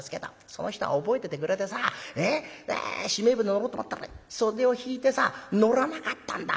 その人が覚えててくれてさしめえ舟乗ろうと思ったら袖を引いてさ乗らなかったんだ。